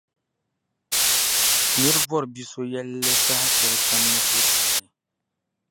nira bɔri bi’so yɛlli saha shɛlikam ni suhupiɛlli.